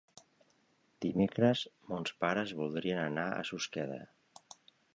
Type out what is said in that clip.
Dimecres mons pares voldrien anar a Susqueda.